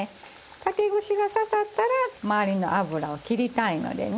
竹串が刺さったら周りの油を切りたいのでね